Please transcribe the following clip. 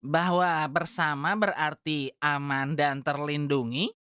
bahwa bersama berarti aman dan terlindungi